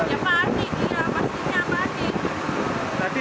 ya panik ya pastinya panik